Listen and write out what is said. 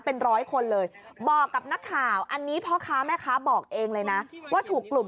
เป็นร้อยคนเลยบอกกับนักข่าวอันนี้พ่อค้าแม่ค้าบอกเองเลยนะว่าถูกกลุ่ม